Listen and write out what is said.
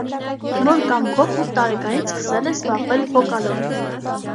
Մոր կամքով ութ տարեկանից սկսել է զբաղվել վոկալով։